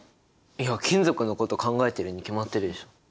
いや金属のこと考えてるに決まってるでしょ！